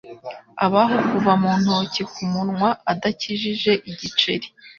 Abaho kuva mu ntoki ku munwa adakijije igiceri.